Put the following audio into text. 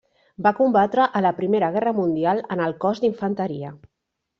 Va combatre a la Primera Guerra Mundial en el cos d'infanteria.